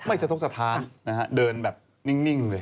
สะทกสถานนะฮะเดินแบบนิ่งเลย